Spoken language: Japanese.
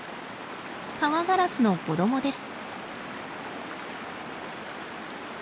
カワガラスの子供です。